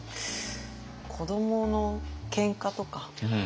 子どものけんかとか。